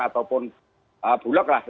ataupun bulog lah